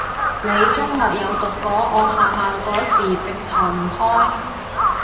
你中學有讀過？我學校嗰時直頭唔開